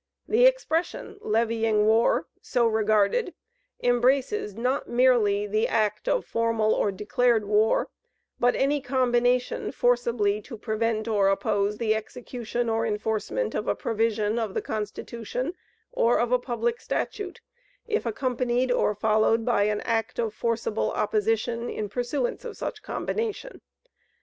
The expression, "levying war," so regarded, embraces not merely the act of formal or declared war, but any combination forcibly to prevent or oppose the execution or enforcement of a provision of the Constitution, or of a public Statute, if accompanied or followed by an act of forcible opposition in pursuance of such combination.